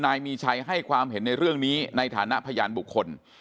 นายมีชัยให้ความเห็นในเรื่องนี้ในฐานะพยานบุคคล